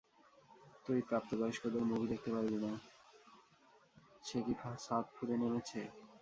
সে কি ছাদ ফুঁড়ে নেমেছে?